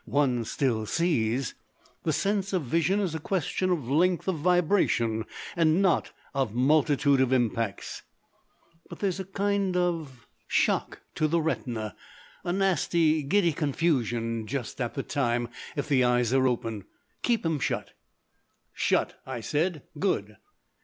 One still sees. The sense of vision is a question of length of vibration, and not of multitude of impacts; but there's a kind of shock to the retina, a nasty giddy confusion just at the time, if the eyes are open. Keep 'em shut." "Shut," I said. "Good!"